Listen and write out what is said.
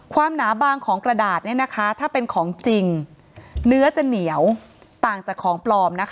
หนาบางของกระดาษถ้าเป็นของจริงเนื้อจะเหนียวต่างจากของปลอม